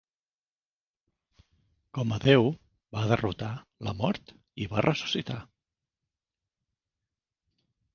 Com a Déu, va derrotar la mort i va ressuscitar.